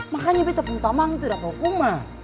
makanya betapunyatamang itu udah kehukuman